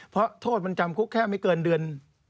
เพราะโทษมันจำคุกแค่ไม่เกินเดือน